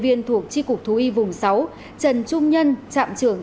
đã được tổ chức và triển khai nhân rộng